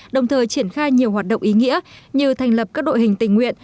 đồng thời triển khai nhiều hoạt động ý nghĩa như thành lập các đội hình tình nguyện